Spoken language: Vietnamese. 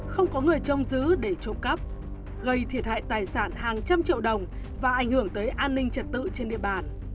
không có người trông giữ để trộm cắp gây thiệt hại tài sản hàng trăm triệu đồng và ảnh hưởng tới an ninh trật tự trên địa bàn